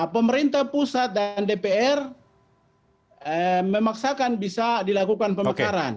pemerintah pusat dan dpr memaksakan bisa dilakukan pemekaran